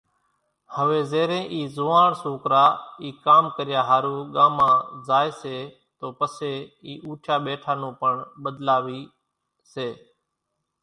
هويَ زيرين اِي زوئاڻ سوڪرا اِي ڪام ڪريا ۿارُو ڳامان زائيَ سيَ تو پسيَ اِي اوٺِيا ٻيٺا نون پڻ ٻۮلاوِي سي۔